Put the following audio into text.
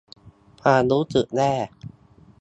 ความรู้สึกแย่